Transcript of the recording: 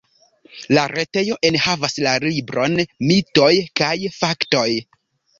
La retejo enhavas la libron Mitoj kaj Faktoj.